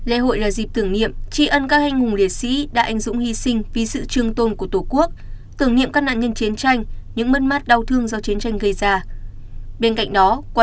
lễ hội là dịp tưởng niệm tri ân các anh hùng liệt sĩ đã anh dũng hy sinh vì sự trường tôn của tổ quốc tưởng niệm các nạn nhân chiến tranh những mất mát đau thương do chiến tranh gây ra